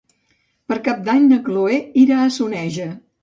Per Cap d'Any na Chloé irà a Soneja.